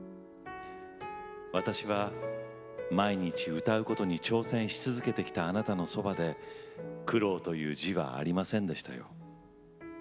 私は毎日歌うことに挑戦し続けてきた、あなたのそばで苦労という時はありませんでしたよ。